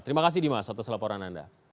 terima kasih dimas atas laporan anda